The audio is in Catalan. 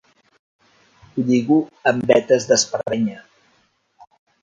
Ho lligo amb vetes d'espardenya.